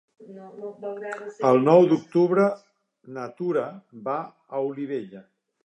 El nou d'octubre na Tura va a Olivella.